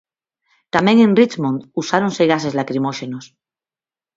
Tamén en Richmond usáronse gases lacrimóxenos.